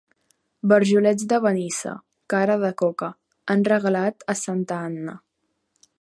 Barjolets de Benissa, cara de coca, han regalat a santa Anna.